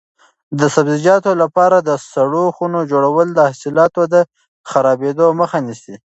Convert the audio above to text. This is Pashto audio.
د سبزیجاتو لپاره د سړو خونو جوړول د حاصلاتو د خرابېدو مخه نیسي.